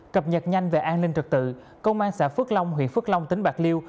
cập nhật nhanh về an ninh trật tự công an xã phước long huyện phước long tỉnh bạc liêu